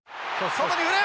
外に振る！